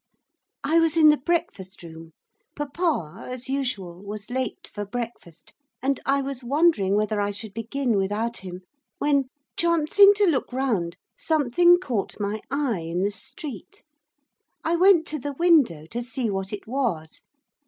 I was in the breakfast room. Papa, as usual, was late for breakfast, and I was wondering whether I should begin without him, when, chancing to look round, something caught my eye in the street. I went to the window to see what it was.